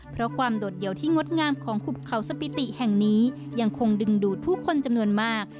เพราะความโดดเดี่ยวที่งดงามของหุบเขาสปิติแห่งนี้ยังคงดึงดูดผู้คนจำนวนมาก